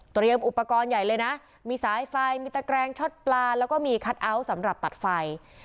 อุปกรณ์ใหญ่เลยนะมีสายไฟมีตะแกรงช็อตปลาแล้วก็มีคัทเอาท์สำหรับตัดไฟ